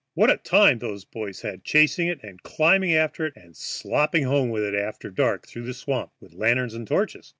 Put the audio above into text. What a time those boys had chasing it and climbing after it and slopping home with it after dark through the swamp, with lanterns and torches!